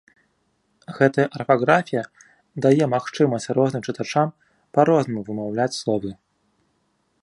Гэтая арфаграфія дае магчымасць розным чытачам па-рознаму вымаўляць словы.